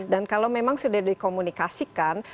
dan kalau memang sudah dikomunikasikan